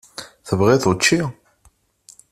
Tebɣiḍ učči?